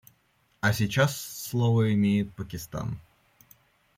А сейчас слово имеет Пакистан.